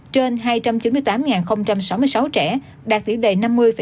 trên hai trăm chín mươi tám sáu mươi sáu trẻ đạt thỉ đầy năm mươi hai mươi năm